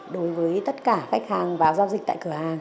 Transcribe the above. đối với tất cả khách hàng vào giao dịch tại cửa hàng